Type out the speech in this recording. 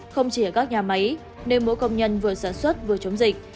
không chỉ ở các nhà máy nên mỗi công nhân vừa sản xuất vừa chống dịch